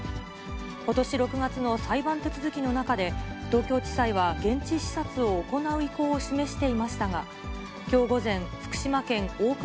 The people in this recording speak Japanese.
ことし６月の裁判手続きの中で、東京地裁は現地視察を行う意向を示していましたが、きょう午前、福島県大熊